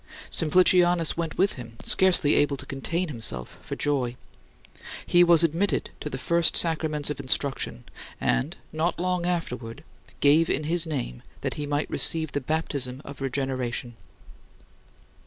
Simplicianus went with him, scarcely able to contain himself for joy. He was admitted to the first sacraments of instruction, and not long afterward gave in his name that he might receive the baptism of regeneration.